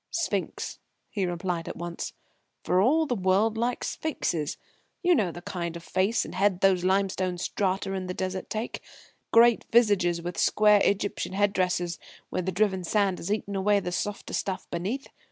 "Sphinx," he replied at once, "for all the world like sphinxes. You know the kind of face and head these limestone strata in the Desert take great visages with square Egyptian head dresses where the driven sand has eaten away the softer stuff beneath?